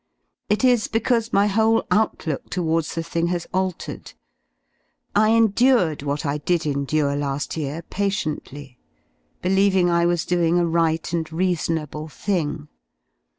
It is because my whole outlook towards the thing has "^ altered. I endured what I did endure la^ year patiently, believing I was doing a right and reasonable thing.